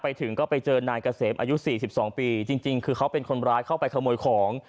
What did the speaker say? ไปถึงก็ไปเจอนายเกษมอายุ๔๒ปีจริงคือเขาเป็นคนร้ายเข้าไปขโมยของ